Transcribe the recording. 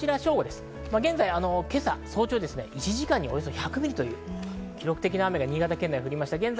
今朝早朝１時間におよそ１００ミリという記録的な雨が、新潟県内に降りました。